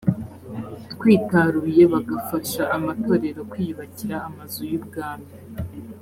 twitaruye bagafasha amatorero kwiyubakira amazu y ubwami